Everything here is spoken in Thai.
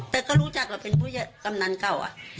แต่ก็รู้จักเราเป็นผู้กำนันเก่า